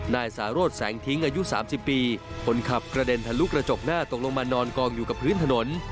นายสารสแสงทิ้งอายุ๓๐ปีคนขับกระเด็นทะลุกระจกหน้าตกลงมานอนกองอยู่กับพื้นถนน